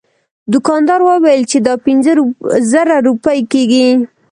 دوکاندار وویل چې دا پنځه زره روپۍ کیږي.